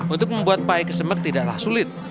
untuk membuat pae kesembek tidaklah sulit